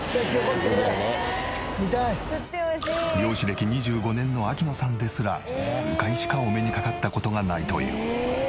漁師歴２５年の秋野さんですら数回しかお目にかかった事がないという。